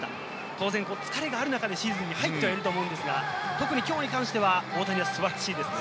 当然疲れがある中で、シーズンに入っていると思いますが、特に今日に関しては大谷、素晴らしいですね。